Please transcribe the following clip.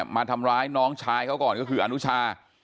มาทำร้ายน้องชายเขาก่อนก็คืออนุชา